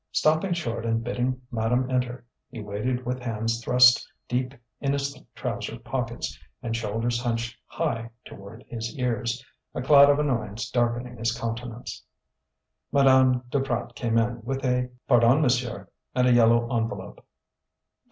Stopping short and bidding Madame enter, he waited with hands thrust deep in his trouser pockets and shoulders hunched high toward his ears, a cloud of annoyance darkening his countenance. Madame Duprat came in with a "Pardon, monsieur," and a yellow envelope.